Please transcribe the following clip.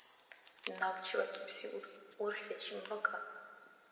Набчи бакӀибси урхӀличи мабакӀаб!